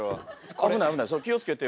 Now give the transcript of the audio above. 危ない危ない気を付けてよ。